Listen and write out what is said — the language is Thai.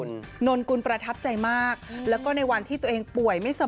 คุณนนกุลประทับใจมากแล้วก็ในวันที่ตัวเองป่วยไม่สม